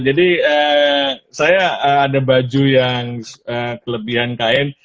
jadi saya ada baju yang kelebihan kain